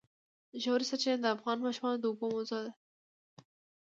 ژورې سرچینې د افغان ماشومانو د لوبو موضوع ده.